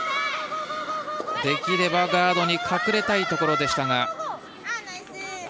できればガードに隠れたいところでしたが。